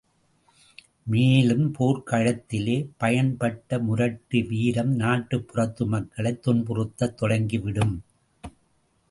மேலும், போர்க்களத்திலே பயன்பட்ட முரட்டு வீரம், நாட்டுப்புறத்து மக்களைத் துன்புறுத்தத் தொடங்கிவிடும்.